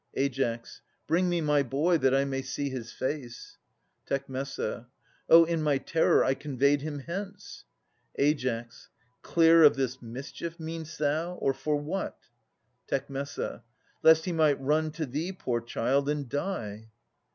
Ai. Bring me my boy, that I may see his face. Tec. Oh, in my terror I conveyed him hence ! Ai. Clear of this mischief, mean'st thou ? or for what ? Tec Lest he might run to thee, poor child, and die.